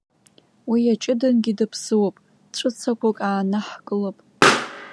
Уи иаҷыдангьы, даԥсыуоуп, ҵәыцақәак аанаҳкылап!